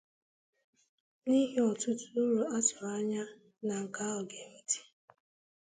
N'ihi ọtụtụ úrù a tụrụ anya na nke ahụ ga-eweta